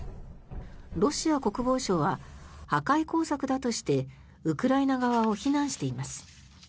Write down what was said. ロシア国防省は破壊工作だとしてウクライナ側を非難しています。